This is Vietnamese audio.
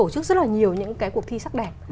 tổ chức rất là nhiều những cái cuộc thi sắc đẹp